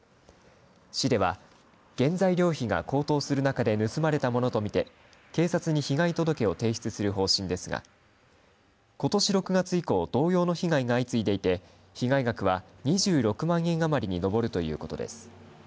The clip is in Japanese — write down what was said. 市では、原材料費が高騰する中で盗まれたものと見て警察に被害届を提出する方針ですがことし６月以降同様の被害が相次いでいて被害額は２６万円余りに上っているということです。